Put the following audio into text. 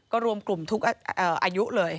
ก็รวมกลุ่มทุกอายุเลย